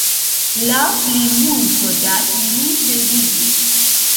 La plimulto da ili perdiĝis.